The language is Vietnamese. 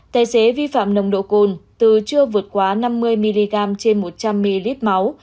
tài xế vi phạm nồng độ cồn từ chưa vượt quá năm mươi mg trên một trăm linh ml máu